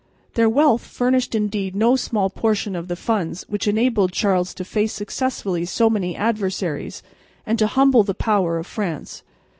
Their wealth furnished indeed no small portion of the funds which enabled Charles to face successfully so many adversaries and to humble the power of France.